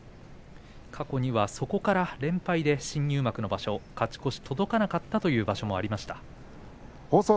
過去には、そこから連敗で新入幕の場所勝ち越しに届かなかったということもあります。